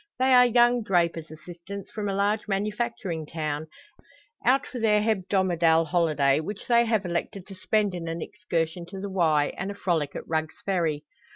They are young drapers' assistants from a large manufacturing town, out for their hebdomadal holiday, which they have elected to spend in an excursion to the Wye, and a frolic at Rugg's Ferry.